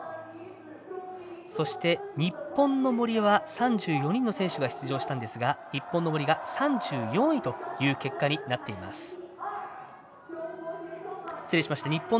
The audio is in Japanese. そして日本の森は３４人の選手が出場したんですが３０位という結果になっています。